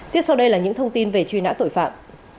tiếp sau đây là những thông tin về truy nã tội phạm